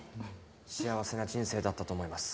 幸せな人生だったと思います。